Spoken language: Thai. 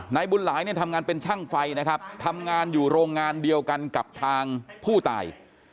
นายบุญหลายเนี่ยทำงานเป็นช่างไฟนะครับทำงานอยู่โรงงานเดียวกันกับทางผู้ตาย